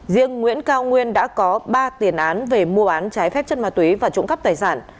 riêng nguyễn cao nguyên đã có ba tiền án về mua bán trái phép chất ma túy và trộm cắp tài sản